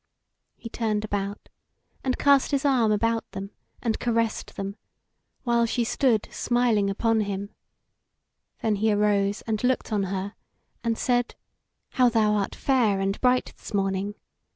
He turned about and cast his arm about them, and caressed them, while she stood smiling upon him; then he arose and looked on her, and said: "How thou art fair and bright this morning!